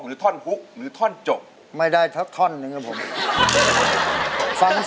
หรือท่อนหุ้กหรือท่อนจบไม่ได้เท่าท่อนหนึ่งครับผม